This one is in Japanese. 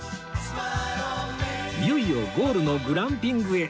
いよいよゴールのグランピングへ